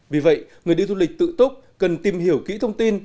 vì vậy người đi du lịch tự túc cần tìm hiểu kỹ thông tin